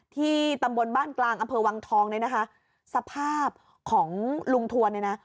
ที่ตำบลบ้านกลางอำเภอวังทองเนี่ยนะคะสภาพของลุงทวนเนี่ยนะ